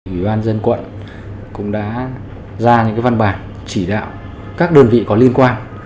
ủy ban dân quận cũng đã ra những văn bản chỉ đạo các đơn vị có liên quan